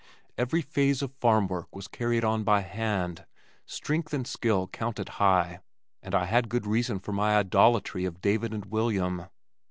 Every phase of farm work was carried on by hand. Strength and skill counted high and I had good reason for my idolatry of David and William.